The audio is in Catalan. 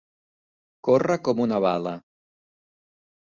Córrer com una bala.